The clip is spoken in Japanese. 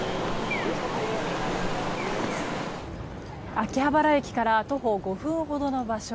秋葉原駅から徒歩５分ほどの場所。